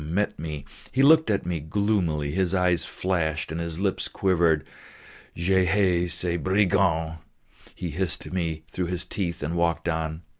met me; he looked at me gloomily, his eyes flashed and his lips quivered. "Je haïs ces brigands!" he hissed to me through his teeth, and walked on.